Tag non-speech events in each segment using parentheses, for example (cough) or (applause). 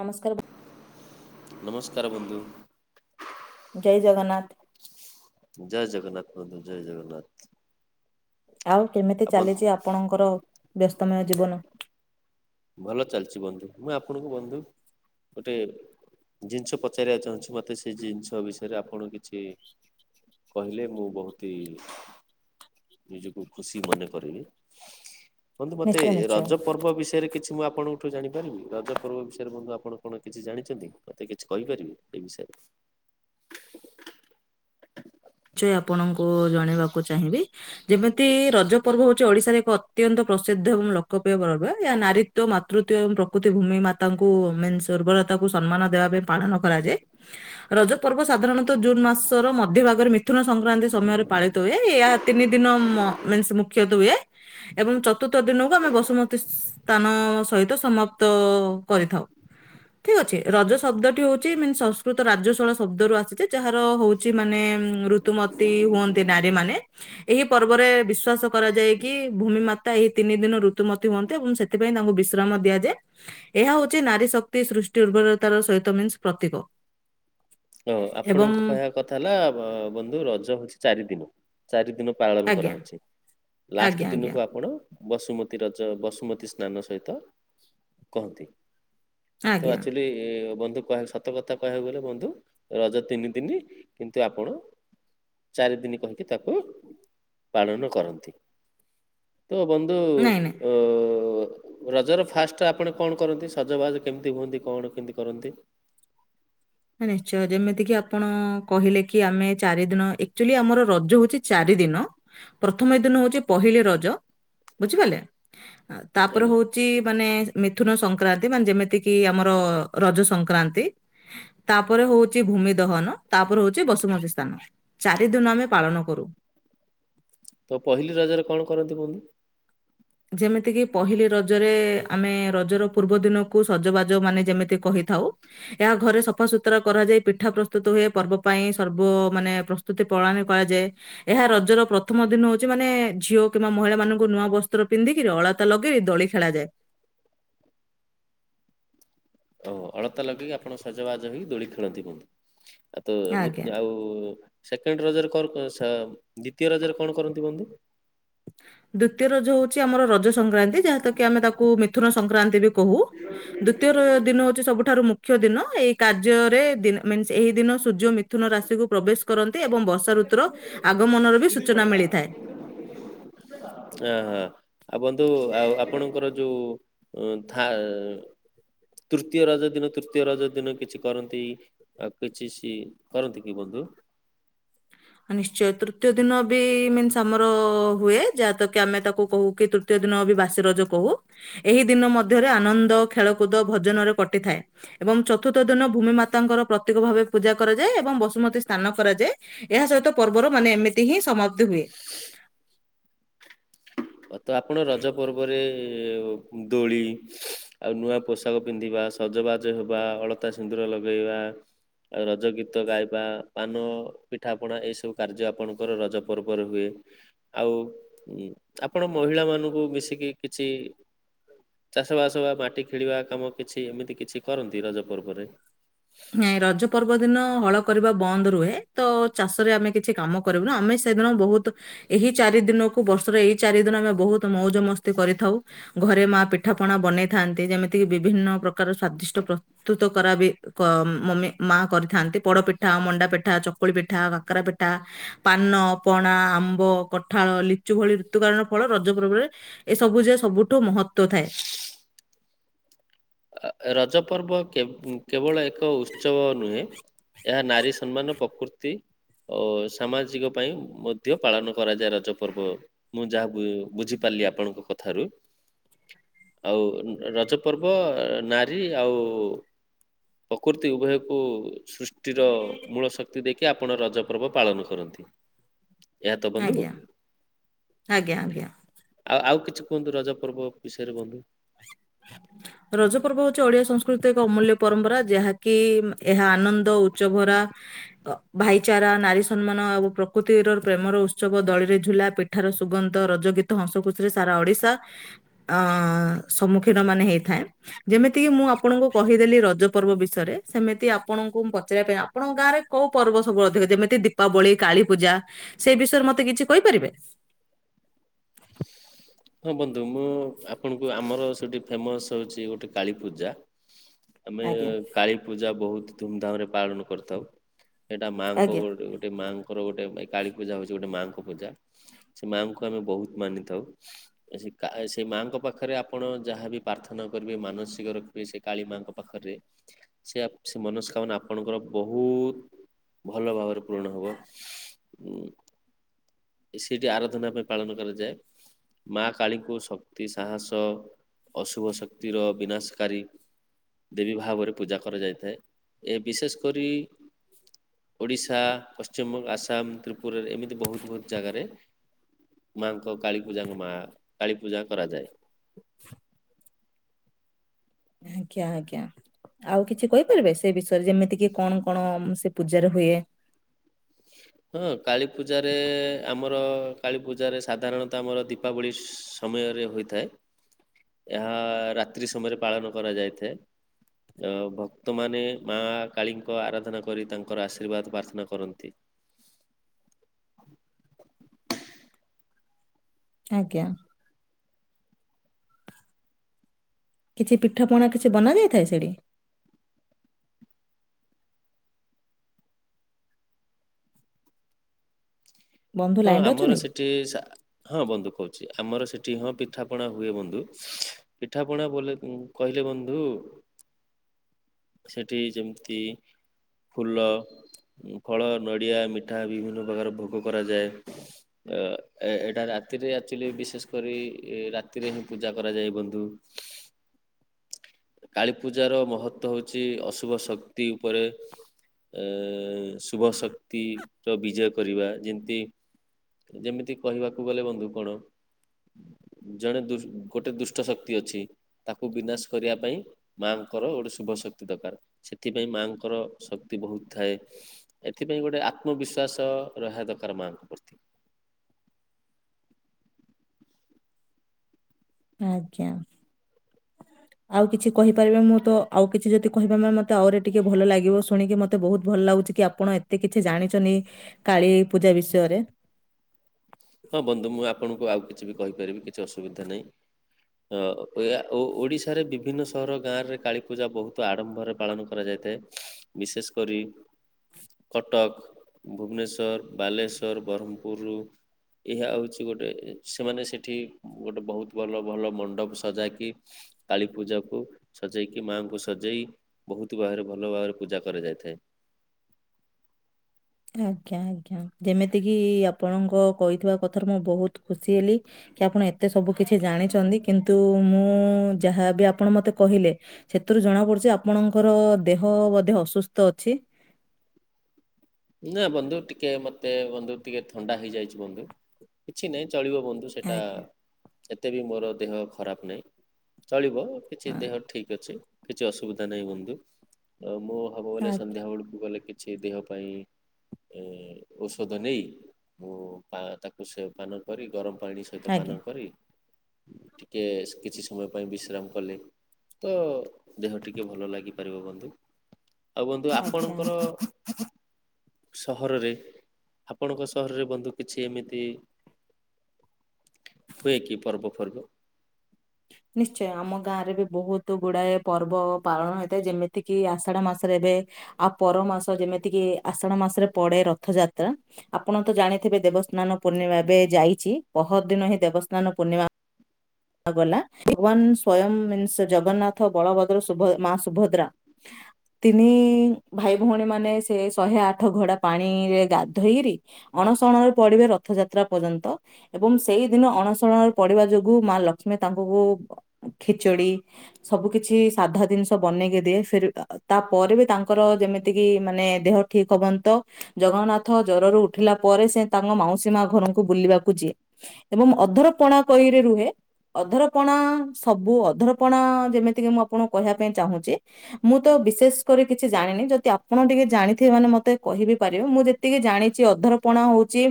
ନମସ୍କାର। ନମସ୍କାର ବନ୍ଧୁ। ଜୟ ଜଗନ୍ନାଥ। ଜୟ ଜଗନ୍ନାଥ ବନ୍ଧୁ ଜୟ ଜଗନ୍ନାଥ। ଆଉ କେମିତି ଆପଣ ଚାଲିଛି ଆପଣଙ୍କର ବ୍ୟସ୍ତମୟ ଜୀବନ। ଭଲ ଚାଲିଛି ବନ୍ଧୁ। ମୁଁ ଆପଣଙ୍କୁ ବନ୍ଧୁ ଗୋଟେ ଜିନିଷ ପଚାରିବାକୁ ଚାହୁଁଛି ମୋତେ ସେ ଜିନିଷ ବିଷୟରେ ଆପଣ କିଛି କହିଲେ ମୁଁ ବହୁତି ନିଜକୁ ଖୁସି ମନେ କରିବି। ବନ୍ଧୁ ମୋତେ ନିଶ୍ଚୟ ଏ ନିଶ୍ଚୟ ରଜ ପର୍ବ ବିଷ କିଛି ମୁଁ ଆପଣଙ୍କ ଠୁ ଜାଣିପାରିବି ରଜ ପର୍ବ ବିଷୟରେ ବନ୍ଧୁ ଆପଣ କଣ କିଛି ଜାଣିଛନ୍ତି ମୋତେ କିଛି କହିପାରିବେ ଏଇ ବିଷୟରେ? ଚେ ଆପଣଙ୍କୁ ଜଣେଇବାକୁ ଚାହିଁବି। ଯେମିତି ରଜପର୍ବ ହଉଛି ଓଡିଶାର ଏକ ଅତ୍ୟନ୍ତ ପ୍ରସିଦ୍ଧ ଏବଂ ଲୋକପ୍ରିୟ ପର୍ବ। ଏହା ନାରୀ ତ ମାତୃତ୍ୟ ଏବଂ ପ୍ରକୃତି ଭୂମି ମାତାଙ୍କୁ ମେନ ସେ ଉର୍ବରତାକୁ ସମ୍ମାନ ଦେବା ପାଇଁ ପାଳନ କରାଯାଏ। ରଜ ପର୍ବ ସାଧାରଣତଃ ଜୁନ୍ ମାସର ମଧ୍ୟ ଭାଗରେ ମି ଥୁନ ସଂକ୍ରାନ୍ତି ସମୟରେ ପାଳିତ ହୁଏହ ଏହା ତିନି ଦିନ ମ- ମେନ୍ସ ମୁଖ୍ୟତ ହୁଏ। ଏବଂ ଚତୁର୍ଥ ଦିନକୁ ଆମେ ବସୁମତୀ ସ୍ଥାନ ସହିତ ସମପ୍ ତ କରିଥାଉ। ଠିକ ଅଛି। ରଜ ଶବ୍ଦଟି ହଉଛି ମେନ୍ ସଂସ୍କୃତ ରାଜଶଳ ଶବ୍ଦ ରୁ ଆସିଛି ଯାହାର ହଉଛି ମାନେ ଉଁ, ତୁମତୀ ହୁଅନ୍ତି ନାରୀ ମାନେ। ଏହି ପର୍ବରେ ବିଶ୍ଵାସ କରାଯାଏ କି ଭୂମି ମାତା ଏହି ତିନି ଦିନ ଋତୁମତୀ ହୁଅନ୍ତି ଏବଂ ସେ ଥିପାଇଁ ତାଙ୍କୁ ବିଶ୍ରାମ ଦିଆଯାଏ। ଏହା ହଉଛି ନାରୀ ଶକ୍ତି ସୃଷ୍ଟି ଉର୍ବରତାର ସହିତ ମିନ୍ସ ପ୍ରତୀକ। ଓ ଏବଂ ଆପଣଙ୍କ କହିବା କଥା ହେଲା ବ-ବନ୍ଧୁ ରଜ ହଉଛି ଚାରି ଦିନ। ଚାରି ଦିନ ପାଳନ ଆଜ୍ଞା କରାହଉଛି। ଆଜ୍ଞା ଲାଷ୍ଟ ଆଜ୍ଞା ଦିନକୁ ଆପଣ ବସୁମତୀ ରଜ ବସୁମତୀ ସ୍ନାନ ସହିତ କହନ୍ତି। ତ ଆଜ୍ଞା ଆକ୍ଚୁଲି ବନ୍ଧୁ କହେ ସତ କଥା କହିବାକୁ ଗଲେ ବନ୍ଧୁ ରଜ ତିନି ଦିନି କିନ୍ତୁ ଆପଣ ଚାରି ଦିନି କହିକି ତାକୁ ପାଳନ କରନ୍ତି। ତ ବନ୍ଧୁ ନାଇଁ ନାଇଁ ଅ, ରଜର ଫାଷ୍ଟ ଆପଣ କଣ କରନ୍ତି ସଜବାଜ କେମିତି ହୁଅନ୍ତି କଣ କେମିତି କରନ୍ତି? ହଁ ନିଶ୍ଚୟ ଯେମିତିକି ଆପଣ କହିଲେ କି ଆମେ ଚାରି ଦିନ ଏକ୍ଚୁଲି ଆମର ରଜ ହଉଛି ଚାରି ଦିନ। ପ୍ରଥମ ଏ ଦିନ ହଉଛି ପହିଲି ରଜ। ବୁଝିପାରିଲେ? ଆ, ତାପରେ ଆଜ୍ଞା ହଉ ଚି ମାନେ ମିଥୁନ ସଂକ୍ରାନ୍ତି ମାନେ ଯେମିତି କି ଆମର ରଜ ସଂକ୍ରାନ୍ତି। ତାପରେ ହଉଚି ଭୂମି ଦହନ, ତାପରେ ହଉଛି ବସୁମତୀ ସ୍ଥାନ, ଚାରି ଦିନ ଆମେ ପାଳନ କରୁ। ତ ପହିଲି ରଜରେ କଣ କରନ୍ତି ବନ୍ଧୁ? ଯେମିତିକି ପହିଲି ରଜରେ ଆମେ ରଜର ପୂର୍ବ ଦିନକୁ ସଜବାଜ ମାନେ ଯେମିତି କହିଥାଉ। ଏହା ଘରେ ସଫାସତୁରା କରାଯାଏ। ପିଠା ପ୍ରସ୍ତୁତ ହୁଏ। ପର୍ବ ପାଇଁ ସର୍ବ ମାନେ ପ୍ରସ୍ ସ୍ତୁତି ପଳାନ କରାଯାଏ। ଏହା ରଜର ପ୍ରଥମ ଦିନ ହଉଛି ମାନେ ଝିଅ କିମ୍ବା ମହିଳା ମାନଙ୍କୁ ନୂଆ ବସ୍ ତ୍ର ପନ୍ଧିକି ଅଳତା ଲଗେଇ ଦୋଳି ଖେଳାଯାଏ। ଓ ଅଳତା ଲଗେଇକି ଆପଣ ସଜବାଜ ହେଇ ଦୋଳି ଖେଳନ୍ତି ବନ୍ଧୁ। ଆ, ତ ଆଜ୍ଞା ଏମିତ୍ ଆଉ ଉ, ସେକେଣ୍ଡ ରଜରେ କର୍ କ- ସା- ଦ୍ଵିତୀୟ ରଜରେ କଣ କରନ୍ତି ବନ୍ଧୁ? ଦ୍ଵିତୀୟ ରଜ ହଉଛି ଆମର ରଜ ସଂକ୍ରାନ୍ତି ଯାହା ତ କିି ଆମେ ତାକୁ ମିଥୁନ ସଂକ୍ରାନ୍ତି ବି କହୁ। ଦ୍ଵିତୀୟରେ ଦିନ ହଉଛି ସବୁଠାରୁ ମୁ ଖ୍ୟ ଦିନ ଏଇ କାର୍ଯ୍ୟରେ ଦିନ ମିନ୍ସ ଏହି ଦିନ ସୂର୍ଯ୍ୟ ମିଥୁନ ରାଶିକୁ ପ୍ରବେଶ କରନ୍ତି ଏବଂ ବର୍ଷା ଋତୁର ଆଗମନର ବି ସୂଚନା ମିଳିଥାଏ। ଆ, ହୋ। ଆଉ ବନ୍ଧୁ ଆଉ ଆପଣଙ୍କର ଯୋଉଥା ତୃତୀୟ ରଜ ଦିନ ତୃତୀୟ ରଜ ଦିନ କିଛି କରନ୍ତି? ଆଉ କିଛି ସିଏ କରନ୍ତି କି ବନ୍ଧୁ? ହଁ ନିଶ୍ଚୟ ତୃତୀୟ ଦିନ ବି ମିନ୍ସ ଆମର ହୁଏ ଯାହାତ କି ଆମେ ତାକୁ କହୁ କି ତୃ ଦୃତୀୟ ଦିନ ବି ବାସି ରଜ କହୁ ଏହି ଦିନ ମଧ୍ୟରେ ଆନନ୍ଦ ଖେଳକୁଦ ଭଜନରେ କଟିଥାଏ। ଏବଂ ଚତୁର୍ଥ ଦିନ ଭୂମି ମାତାଙ୍କର ପ୍ରତୀକ ଭାବେ ପୂଜା କରାଯାଏ ଏବଂ ବସୁମତୀ ସ୍ନାନ କରାଯାଏ। ଏହା ସହିତ ପର୍ବର ମାନେ ଏମିତି ହିଁ ସମାପ୍ତି ହୁଏ। ହ ତ ଆପଣ ରଜ ପର୍ବରେ ଦୋଳି ଆଉ ନୂଆ ପୋଷାକ। ପଷାକ ପିନ୍ଧିବା ସଜବାଜ ହେବା ଅଳତା ସିନ୍ଦୁର ଲଗେଇବା ଆଉ ରଜ ଗୀତ ଗାଇବା ପାନ ପିଠାପଣା ଏସବୁ କାର୍ଯ୍ୟ ଆପଣଙ୍କର ରଜ ପର୍ବରେ ହୁଏ। ଆଉ ଆପଣ ମହିଳା ମାନଙ୍କୁ ମିଶିକି କିଛି ଚାଷବାସ ବା ମାଟି ଖେଳିବା କାମ କିଛି ଏମିତି କିଛି କରନ୍ତି ରଜ ପର୍ବରେ। ନାଇଁ ରଜ ପର୍ବ ଦିନ ହଳ କରିବା ବନ୍ଦ ରୁହେ ତ ଚାଷରେ ଆମେ କିଛି କାମ କରିବୁ ନା ଆମେ ସେଦିନ ବହୁତ ଏହି ଚାରି ଦିନକୁ ବର୍ଷର ଏଇ ଚାରି ଦିନ ଆମେ ବହୁତ୍ ମଉଜ ମସ୍ତି କରିଥାଉ ଘରେ ମା ପିଠା ପିଠାପଣା ବନେଇଥାନ୍ତି ଯେମିତିକି ବିଭିନ୍ନ ପ୍ରକାର ସ୍ଵାଦିଷ୍ଟ ପ୍ରସ୍ତୁତ କରାହୁଏ ମମି ମା କରିଥାନ୍ତି ପୋଡପିଠା, ମଣ୍ଡାପିଠା, ଚକୁଳି ପିଠା, କାକରା ପିଠା। ପାନ, ପଣା, ଆମ୍ବ, କଠାଳ, ଲିଚୁ, ଭଳି ଋତୁକାରଣ ଫଳ ରଜ ର୍ପବରେ ଏ ସବୁ ଯେ ସବୁଠୁ ମହତ୍ତ୍ୟ ଥାଏ। ଆ ରଜ ପର୍ବ କେବଳ ଏକ ଉତ୍ସବ ନୁହେଁ। ଏହା ନାରୀ ସମ୍ମାନ ପ୍ରକୃତି। ଓ ସାମାଜିକ ପାଇଁ ମଧ୍ୟ ପାଳନ କରାଯାଏ ରଜ ପର୍ବ। ମୁଁ ଯାହା ବୁ-ବୁଝିପାରିଲି ଆପଣଙ୍କ କଥାରୁ। ଆଉ ରଜ ପର୍ବ ନାରୀ ଆଉ ପ୍ରକୃତି ଉଭୟକୁ ସୃଷ୍ଟିର ମୂଳ ଶକ୍ତି ଦେଇକି ଆପଣ ରଜ ପର୍ବ ପାଳନ କରନ୍ତି। ଏହାତ ବନ୍ଧୁ। ଆଜ୍ଞା ଆଜ୍ଞା ଆଜ୍ଞା ଆଉ ଆଉ କିଛି କୁହନ୍ତୁ ରଜ ପର୍ବ ବିଷୟରେ ବନ୍ଧୁ। (unintelligible) ରଜ ପର୍ବ ହଉଛି ଓଡିଆ ସଂସ୍କୃତିର ଏକ ଅମୂଲ୍ୟ ପରମ୍ପରା ଯାହାକି ଏହା ଆନନ୍ଦ ଉଚ୍ଚ ଭରା। ଭାଇଚାରା, ନାରୀ ସମ୍ମାନ ଆଉ ପ୍ରକୃତିର ପ୍ରେମର ଉତ୍ସବ ଦଳିରେ ଝୁଲା ପିଠା ଏଠାର ସୁଗନ୍ଧ ରଜ ଗୀତ ହସ ଖୁସିରେ ସାରା ଓଡିଶା ଅ ସମୁ କିନ ମାନ ହେଇଥାଏ। ଯେମିତି କିି ମୁଁ ଆପଣଙ୍କୁ କହିଦେଲି ରଜ ପର୍ବ ବିଷୟରେ ସେମିତି ଆପଣଙ୍କୁ ମୁଁ ପଚାରିବା ପାଇଁ ଆପଣଙ୍କ ଗାଁରେ କୋଉ ପର୍ବ ସବୁ ଅଧିକ ଯେମିତି ଦୀପାବଳି, କାଳୀପୂଜା। ସେଇ ବିଷୟରେ ମତେ କିଛି କହିପାରିବେ। (unintelligible) ହଁ ବନ୍ଧୁ ମୁଁ ଆପଣଙ୍କୁ ଆମର ସେଇଠି ଫେମସ୍ ହେଉଛି ଗୋଟେ କାଳୀପୂଜା। (unintelligible) ଆମେ କାଳୀ ପୂଜା ବହୁତ୍ ଧୁମଧାମ ରେ ପାଳନ କରିଥାଉ। ସେଇଟା ମାଆଙ୍କ ଆଜ୍ଞା ଗୋଟେ ଗୋଟେ ମାଆଙ୍କ ର ଗୋଟେ କାଳୀ ପୂଜା ହଉଛି ଗୋଟେ ମାଙ୍କ ପୂଜା ସେ ମାଆଙ୍କୁ ଆମେ ବହୁତ ମାନିଥାଉ। ସେଇ କା ମାଆଙ୍କ ପାଖରେ ଆପଣ ଯାହାବି ପ୍ରାର୍ଥନା କରିବେ ମାନସିକ ର ବେ ସେଇ କାଳୀ ମାଙ୍କ ପାଖରେ ସେ ସେ ଆପ୍ ମନୋସ୍କାମନା ଆପଣଙ୍କର ବହୁତ୍ ଭଲ ଭାବରେ ପୂରଣ ହବ ଉ। ଏ ସେଇଠି ଆରଧନା ପାଇଁ ପାଳନ କରାଯଏ। ଯାଏ ମା କାଳୀଙ୍କୁ ଶକ୍ତି ସାହସ ଅଶୁଭ ଶକ୍ତିର ବିନାଶକାରୀ। ଦେବୀ ଭାବରେ ପୂଜା କରାଯାଇଥାଏ ଏ ବିଶେଷ କରି। ଓଡ଼ିଶା ପଶ୍ଚିମବଙ୍ଗ ଆସାମ ତ୍ରିପୁରାରେ ଏମିତି ବହୁତ ବହୁତ ଜାଗାରେ ମାଙ୍କ କାଳୀପୂଜାଙ୍କ ମା କାଳୀପୂଜା କରାଯାଏ। ଆଜ୍ଞା ଆଜ୍ଞା। ଆଉ କିଛି କହିପାରିବେ ସେ ବିଷୟରେ ଯେମିତି କିି କଣ କଣ ସେ ପୂଜାରେ ହୁଏ? ହଁ କାଳୀପୂଜାରେ ଆମର କାଳୀପୂଜାରେ ସାଧାରଣତଃ ଆମର ଦୀପାବଳି ଉସ୍ ସମୟରେ ହୋଇଥାଏ ଏହା ରାତ୍ରି ସମୟରେ ପାଳନ କରାଯାଇଥାଏ। ଭକ୍ତମାନେ ମା କାଳୀଙ୍କ ଆରାଧନା କରି ତାଙ୍କର ଆଶୀର୍ବାଦ ପ୍ରାର୍ଥନା କରନ୍ତି। ମା ଆଜ୍ଞା। କିଛି ପିଠାପଣା କିଛି ବନା ଯାଇଥାଏ ସେଠି। ବନ୍ଧୁ ହଁ ଲାଇନ ରେ ଆମର ଅଛନ୍ତି? ସେଠି ସା ହଁ ବନ୍ଧୁ କହୁଛି ଆମର ସେଠି ହଁ ପିଠାପଣା ହୁଏ ବନ୍ଧୁ। ପିଠାପଣା ବୋଲେ ଉଁ କହିଲେ ବନ୍ଧୁ ଆଜ୍ଞା ସେଠି ଯେମତି ଫୁଲ ଉଁ ଫଳ ନଡ଼ିଆ ମିଠା ବିଭିନ୍ନ ପ୍ରକାର ଭୋଗ କରାଯାଏ। ଆଜ୍ଞା ଆ ଏ ଏଇଟା ରାତିରେ ଆଚ୍ୟୋଲି ବିଶେଷ କରି ରାତିରେ ହିଁ ପୂଜା କରାଯାଏ ବନ୍ଧୁ। ହଁ କାଳୀପୂଜାର ମହତ୍ଵ ହଉଛି ଅଶୁଭ ଶକ୍ତି ଉପରେ ଏ ଶୁଭ ଶକ୍ତିର ବିଜୟ କରିବା ଯେମିତି ଯେମିତି କହିବାକୁ ଗଲେ ବନ୍ଧୁ କଣ ଜଣେ ଦୁଷ୍ ଗୋଟେ ଦୁଷ୍ଟ ଶକ୍ତି ଅଛି। ତାକୁ ବିନାଶ କରିବା ପାଇଁ ମାଆଙ୍କର ଗୋଟେ ଶୁଭ ଶକ୍ତି ଦରକାର। ସେଥିପାଇଁ ମାଙ୍କର ଶକ୍ତି ବହୁତ ଥାଏ। ଏଥିପାଇଁ ଗୋଟେ ଆତ୍ମବିଶ୍ଵାସ ରହିବା ଦରକାର ମାଆଙ୍କ ପ୍ରତି। ତି ଆଜ୍ଞା। ଆଉ କିଛି କହିପାରିବେ ମୁଁ ତ ଆଉ କିଛି ଯଦି କହିବେ ନା ମତେ ଆହୁରି ଟିକେ ଭଲ ଲାଗିବ ଶୁଣିକି ମତେ ବହୁତ ଭଲ ଲାଗୁଛି କି ଆପ ଆପଣ ଏତେ କିଛି ଜାଣିଛନ୍ତି କାଳୀ ପୂଜା ବିଷୟରେ। ହଁ ବନ୍ଧୁ ମୁଁ ଆପଣଙ୍କୁ ଆଉ କିଛି ବି କହିପାରିବି କିଛି ଅସୁବିଧା ନାହିଁ। ହଁ ଏହା ଓ ଓଡିଶାରେ ବିଭିନ୍ନ ସହର ଗାଁ ରେ କାଳୀପୂଜା ବହୁତ ଆଡମ୍ଭର ପାଳନ କରାଯାଇଥାଏ ବିଶେଷ କରି କଟକ ଭୁବନେଶ୍ୱର ବାଲେଶ୍ଵର ବ୍ରହ୍ମପୁରୁ ଏହା ହେଉଛି ଗୋଟେ ସେମାନେ ସେଠି ଗୋଟେ ବହୁତ ଭଲ ଭଲ ମଣ୍ଡପ ସଜାକି କାଳୀ ପୂଜାକୁ ସଜେଇକି ମାଆଙ୍କୁ ସଜେଇ ବହୁତ ଭାହାରେ ଭଲ ଭାବରେ ପୂଜା କରାଯାଇଥାଏ। ଆଜ୍ଞା ଆଜ୍ଞା ଯେମିତିକି ଆପଣଙ୍କ କହିଥିବା କଥାରୁ ମୁଁ ବହୁତ ଖୁସି ହେଲି। କି ଆପଣ ଏତେ ସବୁ କିଛି ଜାଣିଛନ୍ତି କିନ୍ତୁ ମୁଁ ଯାହାବି ଆପଣ ମତେ କହିଲେ। ସେଥିରୁ ଜଣା ପଡୁଛି ଆପଣଙ୍କର ଦେହ ବୋଧେ ଅସୁସ୍ଥ ଅଛି। ନା ବନ୍ଧୁ, ଟିକେ ମତେ ବନ୍ଧୁ ଟିକେ ଥଣ୍ଡା ହେଇଯାଇଚି ବନ୍ଧୁ, କିଛି ନାହିଁ ଚଳିବ ବନ୍ଧୁ। ସେଇଟା, ଆଜ୍ଞା ଏତେ ବି ମୋର ଦେହ ଖରାପ ନାହିଁ, ଚଳିବ କିଛି ଆ- ଦେହ ଠିକ୍ ଅଛି, କିଛି ଅସୁବିଧା ନାହିଁ ବନ୍ଧୁ, ଆଉ ମୁଁ ହେବ ବଲେ ଆଜ୍ଞା ସନ୍ଧ୍ୟାବେଳକୁ ଗଲେ କିଛି ଦେହ ପାଇଁ ଏ ଔଷଧ ନେଇ, ମୁଁ ତାକୁ ସେ ପାନ କରି, ଗରମ ପାଣି ସେ ସହିତ ଆଜ୍ଞା ପାନନ କରି, ଟିକେ କିଛି ସମୟ ପାଇଁ ବିଶ୍ରାମ କଲେ ତ ଦେହ ଟିକେ ଭଲ ଲାଗିପାରିବ ବନ୍ଧୁ, ଆଉ ବନ୍ଧୁ ଆଜ୍ଞା ଆପଣଙ୍କର ଆଜ୍ଞା ସହରରେ, ଆପଣଙ୍କ ସହରରେ ବନ୍ଧୁ କିଛି ଏମିତି ହୁଏ କି ପର୍ବ ଫର୍ବ? ନିଶ୍ଚୟ, ଆମ ଗାଁରେ ବି ବହୁତ ଗୁଡ଼ାଏ ପର୍ବ ପାଳନ ହୋଇଥାଏ, ଯେମିତିକି ଆଷାଢ଼ ମାସରେ ଏବେ ଆ ପର ମାସ, ଯେମିତିକି ଆଷାଢ ମାସରେ ପଡେ ରଥଯାତ୍ରା। ଆପଣ ତ ଜାଣିଥିବେ ଦେବସ୍ନାନ ପୂର୍ଣ୍ଣିମା ଏବେ ଯାଇଚି, ପହରି ଦିନ ହିଁ ଦେବସ୍ନାନ ପୂର୍ଣ୍ଣିମା ଗଲା, ଭଗବାନ ସ୍ଵୟଂ ମିନ୍ସ ଜଗନ୍ନାଥ, ବଳଭଦ୍ର, ସୁ ମା ସୁଭଦ୍ରା ତିନି ଭାଇ ଭଉଣୀ ମାନେ ସେ ଶହେ ଆଠ ଘଡା ପାଣିରେ ଗାଧୋଇକିରି ଅଣସଣରେ ପଡିବେ ରଥଯାତ୍ରା ପର୍ଯ୍ୟନ୍ତ ଏବଂ ସେଇଦିନ ଅଣଶଣ ପଡିବା ଯୋଗୁ, ମା ଲକ୍ଷ୍ମୀ ତାଙ୍କଙ୍କୁ ଖେଚଡି ସବୁ କିଛି ସାଧା ଜିନିଷ ବନେଇକି ଦିଏ, ଫିର୍ ତାପରେ ବି ତାଙ୍କର ଯେମିତିକି ମାନେ ଦେହ ଠିକ୍ ହବନି ତ ଜଗନ୍ନାଥ ଜ୍ଵରରୁ ଉଠିଲା ପରେ, ସେ ତାଙ୍କ ମାଉସୀ ମା ଘରକୁ ବୁଲିବାକୁ ଯିଏ। ଏବଂ ଅଧର ପଣା କହିରେ ରୁହେ ଅଧରପଣା, ସବୁ ଅଧରପଣା, ଯେମିତିକି ମୁଁ ଆପଣଙ୍କୁ କହିବା ପାଇଁ ଚାହୁଁଚି ମୁଁ ତ ବିଶେଷ କରି କିଛି ଜାଣିନି, ଯଦି ଆପଣ ଟିକେ ଜାଣିଥିବେ ମାନେ ମତେ କହିବି ପାରିବେ, ମୁଁ ଯେତ୍ ଏତିକି ଜାଣିଚି ଅଧରପଣା ହଉଚି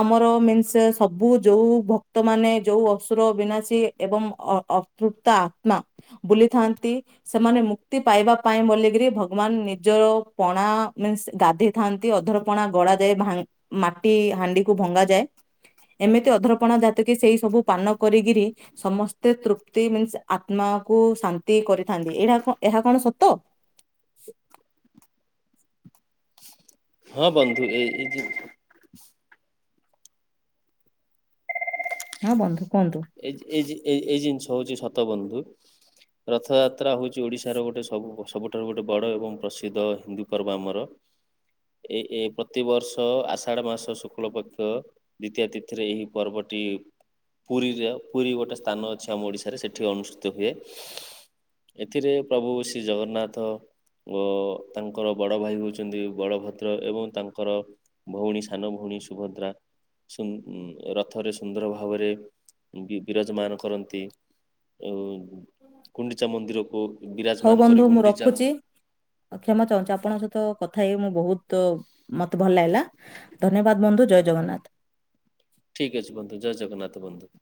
ଆମର ମିନ୍ସ ସବୁ ଯୋଉ ଭକ୍ତ ମାନେ ଯୋଉ ଅସୁର ବିନା ସି ଏବଂ ଅ ଅତୁପ୍ତ ଆତ୍ମା ବୁଲିଥାନ୍ତି ସେମାନେ ମୁକ୍ତି ପାଇବା ପାଇଁ ବୋଲିକିରି ଭଗବାନ ନିଜ ପଣା ମିନ୍ସ ଗାଧୋଇ ଥାନ୍ତି, ଅଧରପଣା ଗଡ଼ା ଯାଏ, ଭାଙ୍ଗ୍, ମାଟି ହାଣ୍ଡିକୁ ଭଙ୍ଗା ଯାଏ। ଏମିତି ଅଧରପଣା ଜାତିକି, ସେଇ ସବୁ ପାନ କରିକିରି ସମସ୍ତେ ତୃପ୍ତି ମିନ୍ସ ଆତ୍ମାକୁ ଶାନ୍ତି କରିଥାନ୍ତି, ଏଇଟା ଏହା କଣ ସତ? ହଁ ବନ୍ଧୁ, ଏଇ ଏଇ ଜି ହଁ ବନ୍ଧୁ କୁହନ୍ତୁ? ଏଇ ଜି ଏଇ ଜି ଏଇ ଜିନିଷ୍ ହେଉଚି ସତବନ୍ଧୁ। ରଥଯାତ୍ରା ହଉଚି ଓଡ଼ିଶାର ଗୋଟେ ସବୁ ସବୁଠାରୁ ଗୋଟେ ବଡ଼ ଏବଂ ପ୍ରସିଦ୍ଧ ହିନ୍ଦୁ ପର୍ବ ଆମର। ଏ ଏ ପ୍ରତିବର୍ଷ ଆଷାଢ଼ ମାସ ଶୁକ୍ଳପକ୍ଷ ଦ୍ଵିତୀୟ ତିଥିରେ ଏହି ପର୍ବଟି ପୁରୀ ପୁରୀର, ପୁରୀ ଗୋଟେ ସ୍ଥାନ ଅଛି ଆମ ଓଡିଶାରେ, ସେଠି ଅନୁଷ୍ଠିତ ହୁଏ। ଏଥିରେ ପ୍ରଭୁ ଶ୍ରୀ ଜଗନ୍ନାଥ ଓ ତାଙ୍କର ବଡ଼ ଭାଇ ହେଉଚନ୍ତି ବଡ଼ଭଦ୍ର ଏବଂ ତାଙ୍କର ଭଉଣୀ ସାନ ଭଉଣୀ ସୁଭଦ୍ରା, ସୁନ୍ ରଥରେ ସୁନ୍ଦର ଭାବରେ ବି ବିରାଜମାନ କରନ୍ତି, ଓ କୁଣ୍ଡିଚା ମନ୍ଦିରକୁ ହଉ ବିରାଜମାନ ବନ୍ଧୁ କରି, ମୁଁ ଗୁଣ୍ଡିଚା ରଖୁଛି ମ କ୍ଷମା ଚାହୁଁଚି, ଆପଣଙ୍କ ସହିତ କଥା ହେଇ ମୁଁ ବହୁତ୍, ମତେ ଭଲ ଲାଗିଲା। ଧନ୍ୟବାଦ ବନ୍ଧୁ, ଜୟ ଜଗନ୍ନାଥ। ଠିକ୍ ଅଛି ବନ୍ଧୁ, ଜୟ ଜଗନ୍ନାଥ ବନ୍ଧୁ।